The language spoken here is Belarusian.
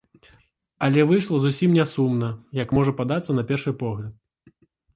Але выйшла зусім не сумна, як можа падацца на першы погляд.